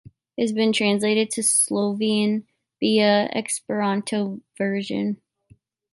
It has been translated to Slovenian via the Esperanto version.